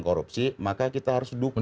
korupsi maka kita harus dukung